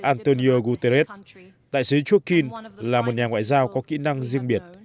đại sứ liên hợp quốc antonio guterres đại sứ chukin là một nhà ngoại giao có kỹ năng riêng biệt